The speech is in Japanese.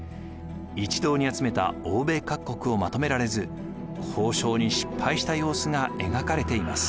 一堂に集めた欧米各国をまとめられず交渉に失敗した様子が描かれています。